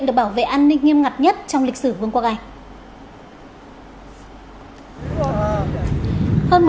được bảo vệ an ninh nghiêm ngặt nhất trong lịch sử vương quốc anh